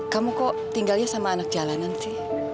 kamu kok tinggalnya sama anak jalanan sih